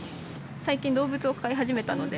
最近動物を飼い始めたので。